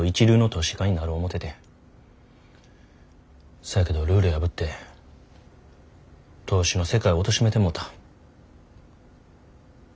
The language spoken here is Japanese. そやけどルール破って投資の世界おとしめてもうた。